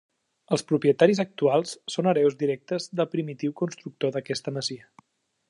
Els propietaris actuals són hereus directes del primitiu constructor d'aquesta masia.